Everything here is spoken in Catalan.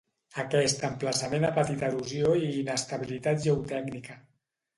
Aquest emplaçament ha patit erosió i inestabilitat geotècnica.